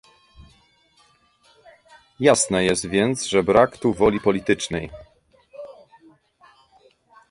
Jasne jest więc, że brak tu woli politycznej